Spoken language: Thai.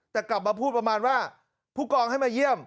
แต่กลับมาพูดประมาณว่าผู้กองให้มาเยี่ยม